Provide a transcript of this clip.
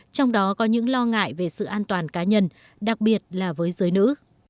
trong đó có những lo ngại về sự an toàn cá nhân đặc biệt là với giới nữ